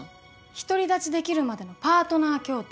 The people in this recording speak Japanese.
「独り立ちできるまでのパートナー協定」。